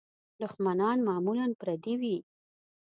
دوښمنان معمولاً پردي وي.